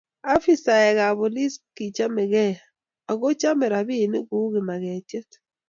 Afisaekab polis kichomegei. Ako chomei robinik uu kimagetiet